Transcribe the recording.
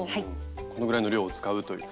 このぐらいの量を使うという。